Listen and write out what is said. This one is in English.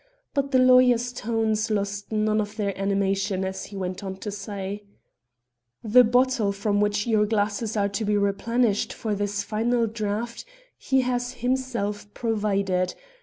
But the lawyer's tones lost none of their animation as he went on to say: "The bottle, from which your glasses are to be replenished for this final draft, he has himself provided.